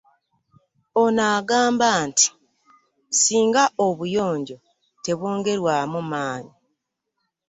Ono agamba nti singa obuyonjo tebwongerwamu maanyi